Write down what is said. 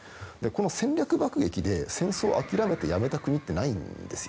この戦略爆撃で戦争を諦めてやめた国ってないんです。